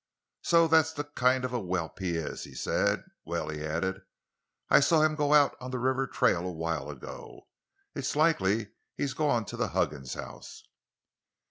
"So, that's the kind of a whelp he is!" he said. "Well," he added, "I saw him go out on the river trail a while ago; it's likely he's gone to the Huggins house."